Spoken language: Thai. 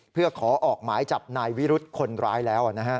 เพื่อขอออกหมายจับนายวิรุธคนร้ายแล้ว